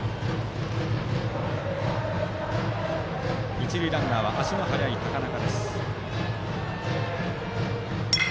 一塁ランナーは足の速い高中。